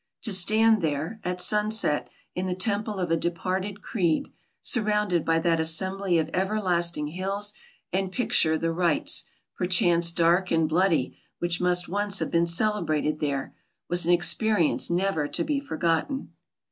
To stand there, at sunset, in the temple of a departed creed, surrounded by that assembly of ever lasting hills and picture the rites, perchance dark and bloody, which must once have been celebrated there, was an experience never to be forgotten.